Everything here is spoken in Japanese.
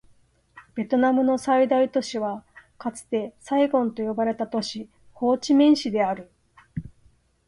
ベトナムの最大都市はかつてサイゴンと呼ばれた都市、ホーチミン市である